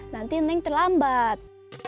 nanti neng terlambat